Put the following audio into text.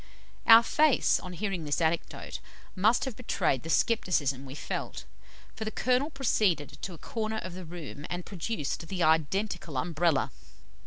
Our face, on hearing this anecdote, must have betrayed the scepticism we felt, for the Colonel proceeded to a corner of the room, and produced the identical Umbrella.